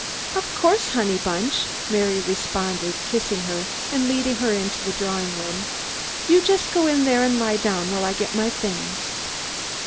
"Of course, Honey bunch!" Mary responded, kissing her and leading her into the drawing room. "Just go in there and lie down while I get my things."